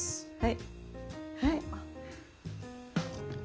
はい。